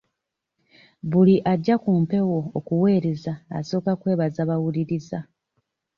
Buli ajja ku mpewo okuweereza asooka kwebaza bawuliriza.